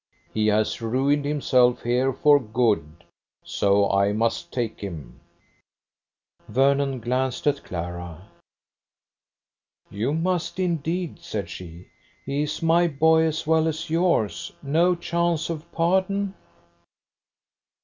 He has ruined himself here for good, so I must take him." Vernon glanced at Clara. "You must indeed," said she. "He is my boy as well as yours. No chance of pardon?"